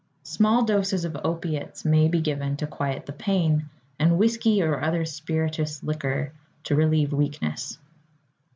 Small doses of opiates may be given to quiet the pain, and whisky or other spirituous liquor to relieve weakness.